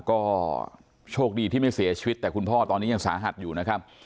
ก็โชคดีที่ไม่เสียชีวิตแต่คุณพ่อตอนนี้ยังสาหัสอยู่นะครับ